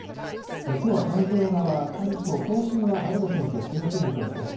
きょうは太平洋側、関東甲信は晴れの天気が続く見込みです。